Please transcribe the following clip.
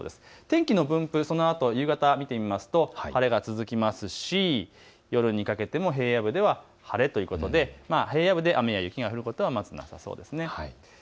天気の分布、夕方を見ますと晴れが続きますし夜にかけても平野部は晴れということで平野部で雨や雪が降ることはまずなさそうです。